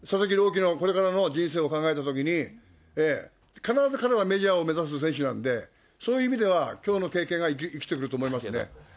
希のこれからの人生を考えたときに、必ず彼はメジャーを目指す選手なんで、そういう意味では、きょうの経験が生きてくると思いますね。